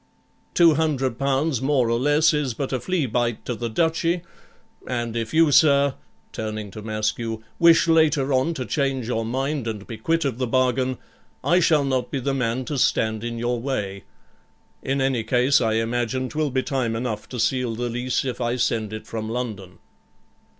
Two hundred pounds more or less is but a flea bite to the Duchy; and if you, sir,' turning to Maskew, 'wish later on to change your mind, and be quit of the bargain, I shall not be the man to stand in your way. In any case, I imagine 'twill be time enough to seal the lease if I send it from London.'